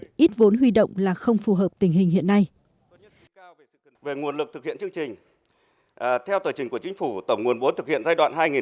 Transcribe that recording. ngân sách ít vốn huy động là không phù hợp tình hình hiện nay